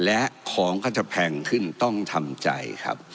และของก็จะแพงขึ้นต้องทำใจครับ